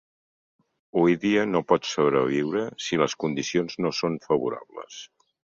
Oidia no pot sobreviure si les condicions no són favorables.